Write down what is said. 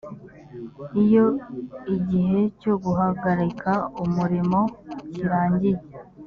iyo igihe cyo guhagarika umurimo kirangiye